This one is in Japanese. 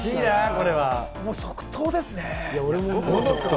もう即答ですね。